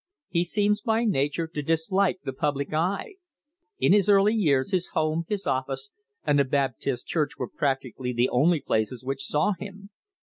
He seems by nature to dislike the public eye. In his early years his home, his office, and the Baptist church were practically the only places which saw him.